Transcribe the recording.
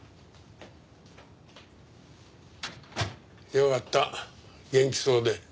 よかった元気そうで。